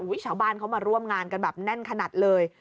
ชาวบ้านเขามาร่วมงานกันแบบแน่นขนาดเลย